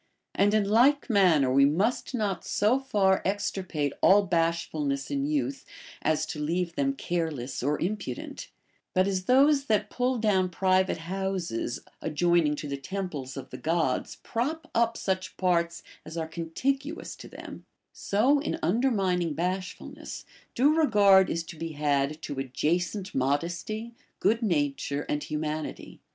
x\nd in like man ner we must not so far extirpate all bashfulness in youth as to leave them careless or impudent; but as those that pull down private houses adjoining to the temples of the Gods prop up such parts as are contiguous to them, so in un dermining bashfulness, due regard is to be had to adjacent modesty, good nature, and humanity.